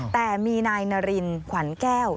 แต่มีนายนารินขวัญแก้ว